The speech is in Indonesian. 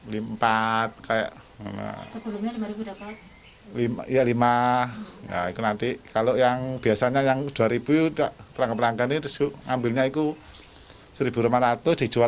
lima ya lima itu nanti kalau yang biasanya yang dua ribu perangkat ambilnya itu seribu lima ratus dijual